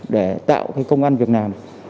để tạo công an việt nam